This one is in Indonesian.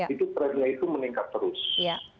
itu trendnya itu meningkat terus